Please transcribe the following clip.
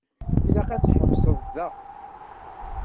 Ilaq ad tḥebseḍ da.